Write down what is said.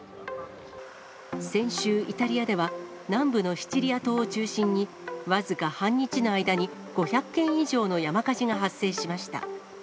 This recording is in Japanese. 先週、イタリアでは南部のシチリア島を中心に、僅か半日の間に５００件以上の山火事が発生しました。